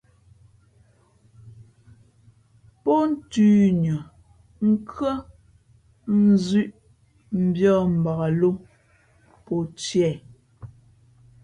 Pó nthʉ̌nʉα, nkhʉ́ά, nzʉ̄ʼ mbiᾱᾱ mbak lō pó tiē.